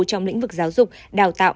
trong lĩnh vực giáo dục đào tạo